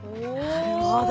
なるほど。